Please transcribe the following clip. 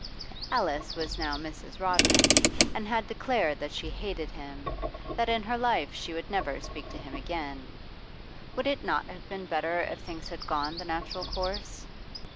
Alice was now Mrs. Rodman, and had declared that she hated him, that in her life she would never speak to him again. Would it not have been better if things had gone the natural course?